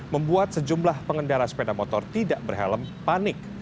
membuat sejumlah pengendara sepeda motor tidak berhelm panik